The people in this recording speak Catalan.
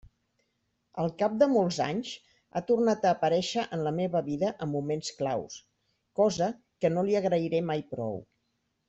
Al cap de molts anys, ha tornat a aparèixer en la meva vida en moments claus, cosa que no li agrairé mai prou.